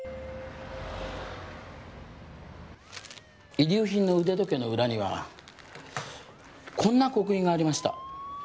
遺留品の腕時計の裏にはこんな刻印がありました。